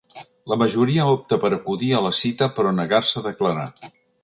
La majoria opta per acudir a la cita però negar-se a declarar.